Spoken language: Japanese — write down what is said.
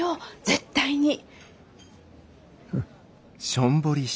絶対に。